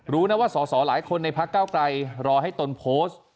รู้นะว่าสอสอหลายคนในพักเก้าไกลรอให้ตนโพสต์